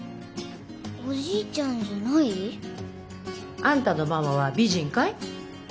おじいちゃんじゃない？あんたのママは美人かい？